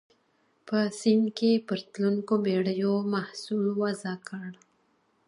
په سیند کې پر تلونکو بېړیو محصول وضع کړ.